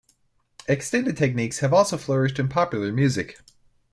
Extended techniques have also flourished in popular music.